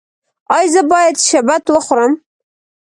ایا زه باید شبت وخورم؟